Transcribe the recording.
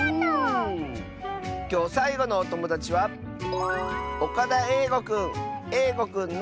きょうさいごのおともだちはえいごくんの。